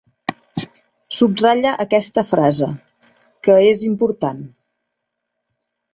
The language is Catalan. Subratlla aquesta frase, que és important.